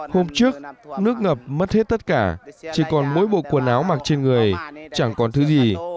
hôm trước nước ngập mất hết tất cả chỉ còn mỗi bộ quần áo mặc trên người chẳng còn thứ gì